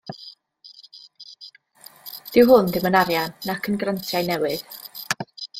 Dyw hwn ddim yn arian nac yn grantiau newydd.